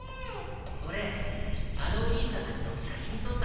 俺あのお兄さんたちの写真撮ったんだ。